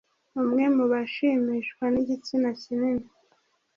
Umwe mu bashimishwa n’igitsina kinini